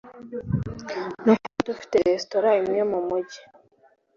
no kuba dufite resitora imwe mu mugi